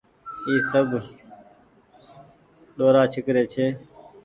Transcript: اي سب ڏورآ ڇيڪري ڇي۔